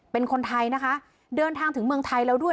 เป็นคนไทยนะคะเดินทางถึงเมืองไทยแล้วด้วย